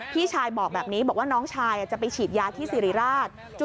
พี่ชายบอกแบบนี้บอกว่าน้องชายจะไปฉีดยาที่สิริราช